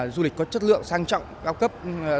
du lịch có chất lượng sang trọng cao cấp